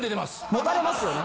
持たれますよね。